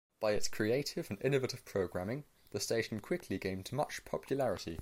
By its creative and innovative programming, the station quickly gained much popularity.